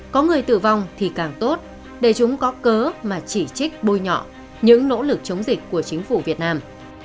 có người tử vong thì càng tốt để chúng có cớ mà chỉ trích bôi nhọ những nỗ lực chống dịch của chính phủ việt nam